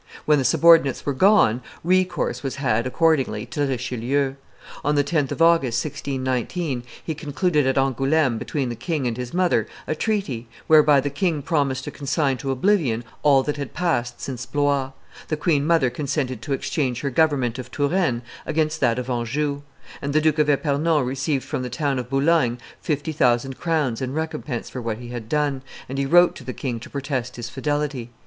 When the subordinates were gone, recourse was had, accordingly, to Richelieu. On the 10th of August, 1619, he concluded at Angouleme between the king and his mother a treaty, whereby the king promised to consign to oblivion all that had passed since Blois; the queen mother consented to exchange her government of Touraine against that of Anjou; and the Duke of Epernon received from the town of Boulogne fifty thousand crowns in recompense for what he had done, and he wrote to the king to protest his fidelity.